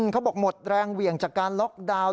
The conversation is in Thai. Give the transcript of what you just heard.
เขาบอกหมดแรงเหวี่ยงจากการล็อกดาวน์